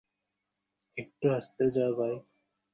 একটু আস্তে যা, ভাই।